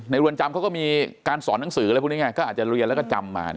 สอนหนังสืออะไรพวกนี้ไงก็อาจจะเรียนแล้วก็จำมา